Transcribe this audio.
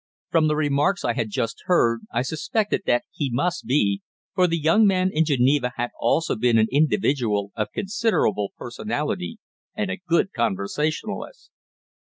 From the remarks I had just heard I suspected that he must be, for the young man in Geneva had also been an individual of considerable personality, and a good conversationalist.